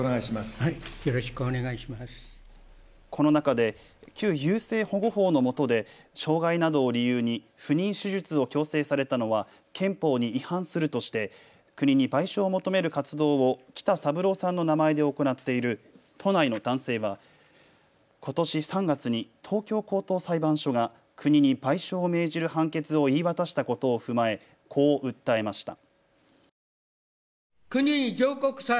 この中で旧優生保護法のもとで障害などを理由に不妊手術を強制されたのは憲法に違反するとして国に賠償を求める活動を北三郎さんの名前で行っている都内の男性はことし３月に東京高等裁判所が国に賠償を命じる判決を言い渡したことを踏まえこう訴えました。